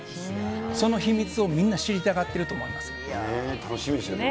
その秘密をみんな、知りたがって楽しみですよね。